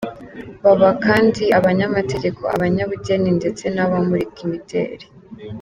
Baba kandi abanyamategeko, abanyabugeni ndetse n’abamurika imideli.